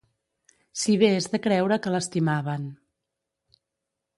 Si bé es de creure que l'estimaven